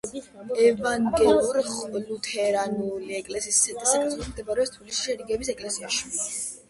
ევანგელურ-ლუთერანული ეკლესიის ცენტრი საქართველოში მდებარეობს თბილისში, შერიგების ეკლესიაში.